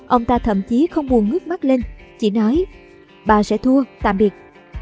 ông ta thậm chí không buồn ngước mắt lên chỉ nói bà sẽ thua tạm biệt